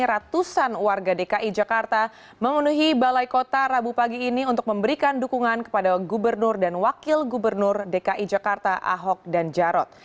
ratusan warga dki jakarta memenuhi balai kota rabu pagi ini untuk memberikan dukungan kepada gubernur dan wakil gubernur dki jakarta ahok dan jarot